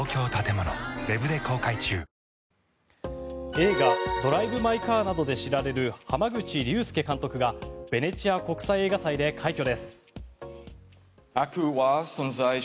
映画「ドライブ・マイ・カー」などで知られる濱口竜介監督がベネチア国際映画祭で快挙です。